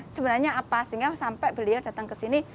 sebenarnya apa sehingga sampai beliau datang ke sini